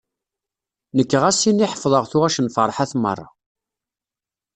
Nekk ɣas ini ḥefḍeɣ tuɣac n Ferḥat merra.